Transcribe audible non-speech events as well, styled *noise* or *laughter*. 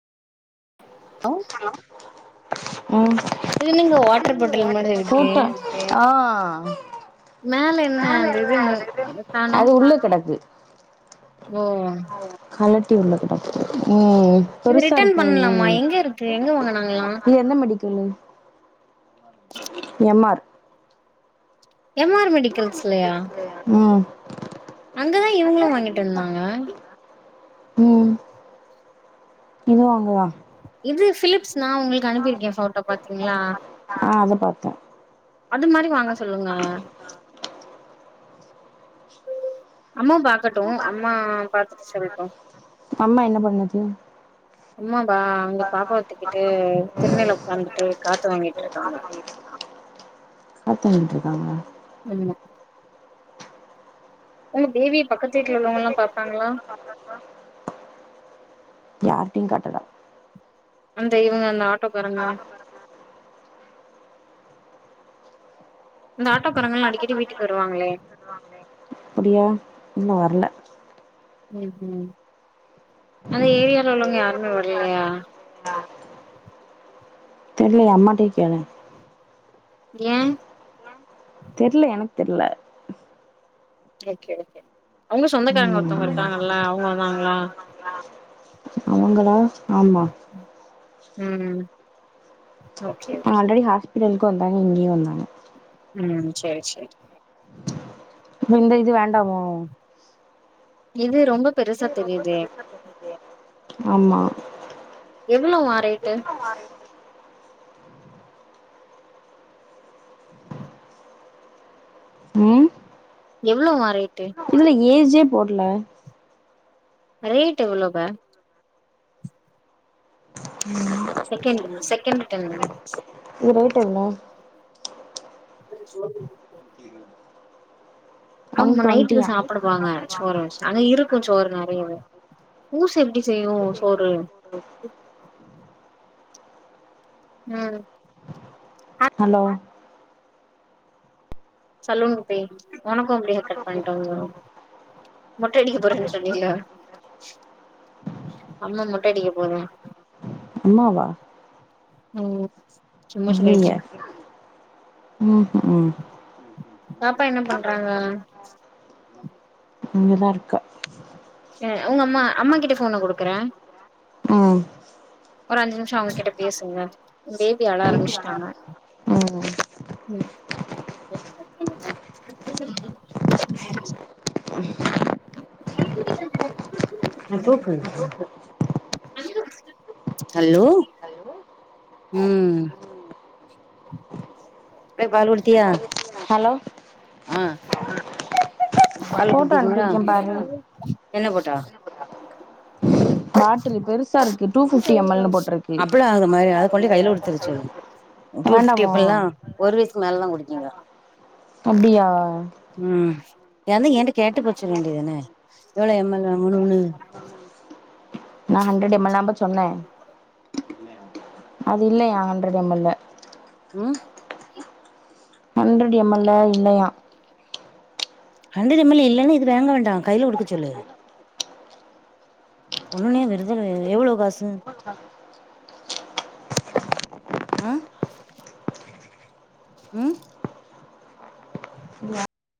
அ உம் இது என்னங்க வாட்டர் பாட்டல் மாரி இருக்கு ஆ மேல என்ன கொழந்த அந்த இது ஏதோ அழுகுது என்ன காணோ அது உள்ள கிடக்கு ஓ ஓ கலட்டி உள்ளதுபா உம் உம் இது பெருசா ரிட்டர்ன் பண்ணலாமா இருக்குங் எங்க இருக்கு எங்க வாங்குனாங்களா *unintelligible* க்ளீயர் என்ன medical M R M R medicals லயா உம் அங்கதா இவுங்ளு வாங்கிட்டு இருந்தாங்க உம் இது வாங்கவா இது ஃபிலீப்ஸ் நா உங்ளுக்கு அனுப்பிருக்கே ஃபோட்டோ பாத்தீங்ளா ஆ அத பாத்தே அது மாரி வாங்க சொல்லுங்க அம்மா பாக்கட்டூ அம்மா பாத்துட்டு சொல்ட்டூ மதியோ அம்மாவா அங்க பாப்பா தூக்கிட்டு தின்னைல உக்காந்துட்டு காத்து வாங்கிட்டு இருக்காங்க காத்து வாங்கிட்டு இருக்காங்களா அம்மா உங்க பேபிய பக்கத்து வீட்ல உள்ளவுங்கலா பாப்பாங்களா யார்ட்டியு காட்டல அந்த இவுங்க நாட் *unintelligible* பெறப்பு இந்த ஆட்டோ காரங்களா அடிக்கடி வீட்டுக்கு வருவாங்ளே வருவாங்ளே அப்டியா இன்னும் வர்ல ம் ம் அந்த ஏரியால உள்ளவங்க யாருமே வர்லையா ஆ தெர்ல அம்மாட்டே கேளேன் ஏன் தெரில எனக்கு தெரில அவ்ங்க சொந்தக்காரங்க ஒருத்தவங்க ம் இருக்காங்கல்ல அவ்ங்க வருவாங்களா அவ்ங்களா ஆமா ம் ஓகே ஓகே ஆல்ரெடி ஹாஸ்பிட்டலுக்கு வந்தாங்க இங்கேயு வந்தாங்க ம் செர் செரி இந்த இது வேண்டாமோ இது ரொம்ப பெருசா தெரியுதே ஆம்மா எவ்ளோவா ரேட்டு ம் எவ்ளோவா ரேட்டு இதுல ஏஜே போட்ல ரேட் எவ்வளோ பே ம் செகெண்ட் செகண்ட்டு டைம்மு இரவு டோன்னா *unintelligible* சோபி *unintelligible* ம் ஆமா நைட்டுக்கு சாப்பிடுவாங்க சோர்று வச்சு அங்க இருக்கும் சோர்று நெறையவே ஊச எப்டி செய்யும் சோறு ஹ ம் ஹலோ சலூன்க்கு‌ போய் உனக்கும் அப்டியே ஹேர் கட் பண்ணிட்டு வந்துர்ருவோ மொட்ட அடிக்க போறேன்னு சொன்னில்ல அம்மா மொட்டடிக்க போறோ அம்மாவா ம் சும்மா சொல்லிட்டு அய்யய்யே ம்ஹும் பாப்பா என்ன பண்றாங்க இங்கதா இருக்கா ஏ உங்க அம்மா அம்மா கிட்ட போன குடுக்குறே ம் ஒரு அஞ்சு நிமிஷோ அவங்க கிட்ட பேசுங்களே பேபி அழ ஆரம்பிச்சுட்டாங்க ம் ம் ம் ஆ தூக்கி தாங்கம்மா ஆ தூக்கு ஹலோ ஹலோ உம் பிள்ளைக்கு பால் குடுத்தியா ஹலோ ஆ பால் போட்டோ குடுத்தீங்களா அனுப்பிருக்கே பாரு என்ன போட்டா பாட்டுல் பெருசா இருக்கு டூ ஃபிஃப்டி எம் எல்னு போட்டிருக்கு அப்பள அது மாதிரி அத கொண்டு கையில குடுத்துர சொல்லு டூ ஃபிஃப்டி வேண்டாமோ அப்பல்லா ஒரு வய்சுக்கு மேல தா குடுத்தீங்க அப்டியா உம் ஏந்து என்ட்ட கேட்டு போ சொல்ல வேண்டிதான எவ்ளோ எம் எல் அ முன்னூறு எம் எல் நா ஹண்ட்ரட் எம் எல்லாம்ப சொன்னே அது இல்லையா ஹண்ட்ரட் எம் எல்லு ம் ஹண்ட்ரட் எம் எல்ல இல்லையா ஹண்ட்ரட் எம் எல் இல்லனா இத வாங்க வேண்டாம் கையில் கொடுக்க சொல்லு ஒண்ணுனே விருதல் எவ்வளவு காசு ஆமா அக்கா ஆ உம்